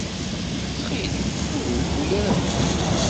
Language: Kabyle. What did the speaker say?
Ttxil-m, ur reffu ara fell-i.